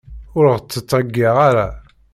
Ur ɣ-tt-ttreyyiɛ ara.